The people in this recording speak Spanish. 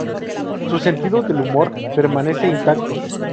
Su sentido del humor permanece intacto.